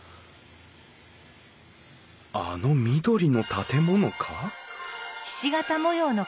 あの緑の建物か？